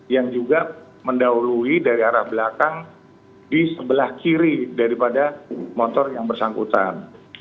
yang juga mendahului dari arah belakang di sebelah kiri daripada motor yang bersangkutan